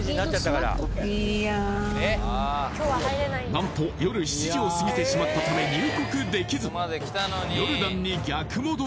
いや何と夜７時をすぎてしまったため入国できず！